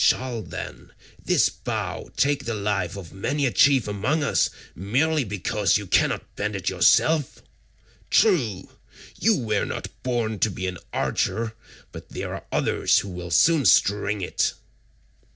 Shall, then, this bow take the life of many a chief among us, merely because you cannot bend it yourself? True, you were not born to be an archer, but there are others who will soon string it."